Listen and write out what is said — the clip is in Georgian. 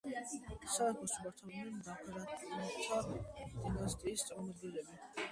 სამეფოს მართავდნენ ბაგრატუნთა დინასტიის წარმომადგენლები.